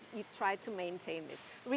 anda mencoba untuk mempertahankan ini